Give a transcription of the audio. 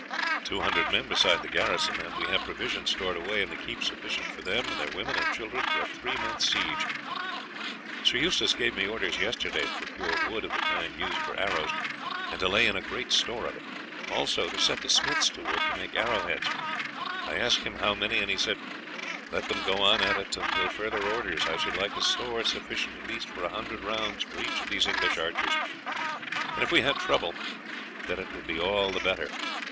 "Two hundred men besides the garrison, and we have provisions stored away in the keep sufficient for them and their women and children for a three months' siege. Sir Eustace gave me orders yesterday to procure wood of the kind used for arrows, and to lay in a great store of it; also to set the smiths to work to make arrow heads. I asked him how many, and he said, 'Let them go on at it until further orders. I should like a store sufficient at least for a hundred rounds for each of these English archers, and if we had double that it would be all the better.